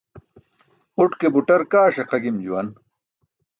Uṭ ke buṭar kaa ṣiqa gim juwan.